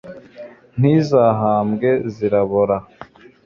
ntizahambwe zirabora